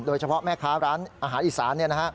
โดยเฉพาะแม่ค้าร้านอาหารอีสาน